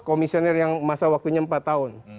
komisioner yang masa waktunya empat tahun